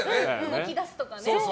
動き出すとかね。